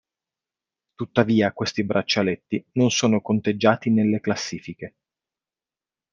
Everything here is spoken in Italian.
Tuttavia questi braccialetti non sono conteggiati nelle classifiche.